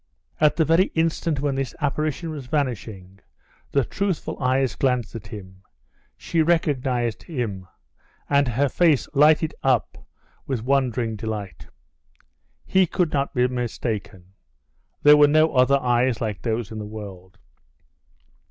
At the very instant when this apparition was vanishing, the truthful eyes glanced at him. She recognized him, and her face lighted up with wondering delight. He could not be mistaken. There were no other eyes like those in the world.